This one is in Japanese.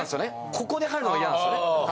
ここで入るのがイヤなんっすよね。